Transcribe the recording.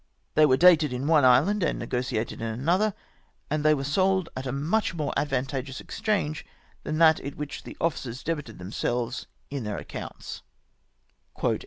They were dated in one island and negotiated in another ; and they were sold at a much more advantageous exchange than that at which the officers debited themselves in their accounts.''